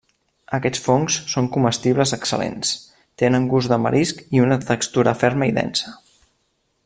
Aquests fongs són comestibles excel·lents, tenen gust de marisc i una textura ferma i densa.